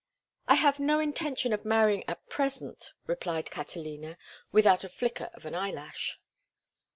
"I have no intention of marrying at present," replied Catalina, without the flicker of an eyelash.